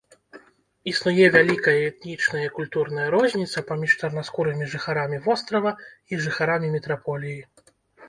Існуе вялікая этнічная і культурная розніца паміж чарнаскурымі жыхарамі вострава і жыхарамі метраполіі.